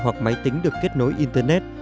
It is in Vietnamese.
hoặc máy tính được kết nối internet